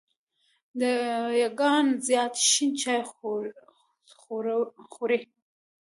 دیکان زیات شين چای څوروي.